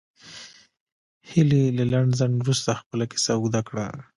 هیلې له لنډ ځنډ وروسته خپله کیسه اوږده کړه